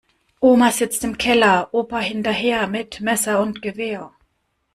Oma sitzt im Keller, Opa hinterher, mit Messer und Gewehr.